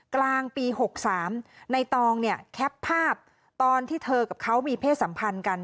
กลางปี๖๓ในตองเนี่ยแคปภาพตอนที่เธอกับเขามีเพศสัมพันธ์กัน